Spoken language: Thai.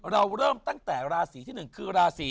เราเริ่มตั้งแต่ราศีที่๑คือราศี